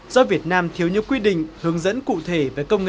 do việt nam thiếu những quy định hướng dẫn cụ thể về công nghệ